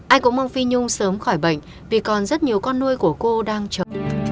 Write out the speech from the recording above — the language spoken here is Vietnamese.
ai cũng mong phi nhung sớm khỏi bệnh vì còn rất nhiều con nuôi của cô đang chờ